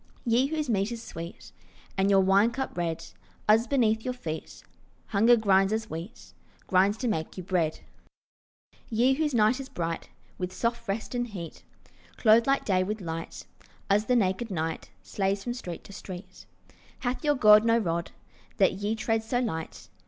Ye whose meat is sweet And your wine cup red, Us beneath your feet Hunger grinds as wheat, Grinds to make you bread. Ye whose night is bright With soft rest and heat, Clothed like day with light, Us the naked night Slays from street to street. Hath your God no rod, That ye tread so light?